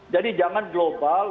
jadi jangan global